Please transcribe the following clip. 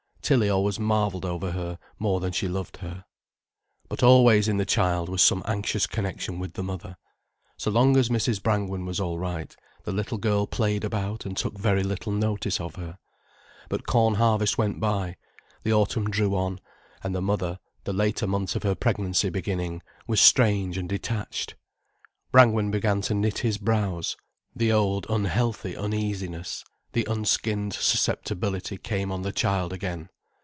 Tilly always marvelled over her, more than she loved her. But always in the child was some anxious connection with the mother. So long as Mrs. Brangwen was all right, the little girl played about and took very little notice of her. But corn harvest went by, the autumn drew on, and the mother, the later months of her pregnancy beginning, was strange and detached, Brangwen began to knit his brows, the old, unhealthy uneasiness, the unskinned susceptibility came on the child again.